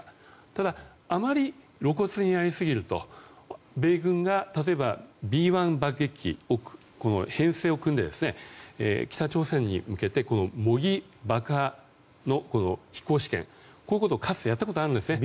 ただ、あまり露骨にやりすぎると米軍がＢ１爆撃機で編成を組んで北朝鮮に向けて模擬爆破の飛行試験ということをかつてやったことがあるんですね。